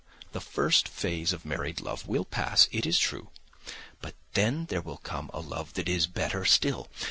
The first phase of married love will pass, it is true, but then there will come a love that is better still.